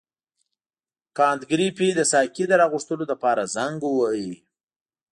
کانت ګریفي د ساقي د راغوښتلو لپاره زنګ وواهه.